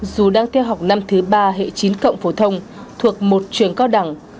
dù đang theo học năm thứ ba hệ chín cộng phổ thông thuộc một trường cao đẳng